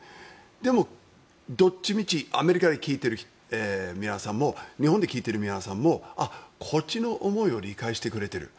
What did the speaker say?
でも、どっちみちアメリカで聞いている皆さんも日本で聞いている皆さんもこっちの思いを理解してくれている。